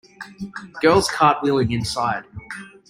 Girls cartwheeling inside.